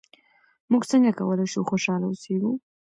موږ څنګه کولای شو خوشحاله اوسېږو؟